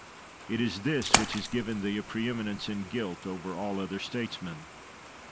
It is this which has given thee a pre eminence in guilt over all other statesmen. Machiavel.